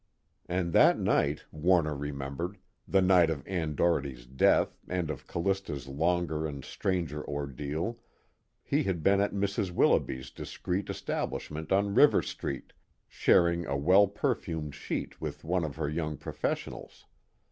And that night, Warner remembered, the night of Ann Doherty's death and of Callista's longer and stranger ordeal, he had been at Mrs. Willoughby's discreet establishment on River Street, sharing a well perfumed sheet with one of her young professionals.